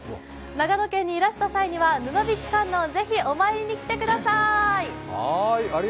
長野県にいらした際には布引観音をぜひお参りに来てください。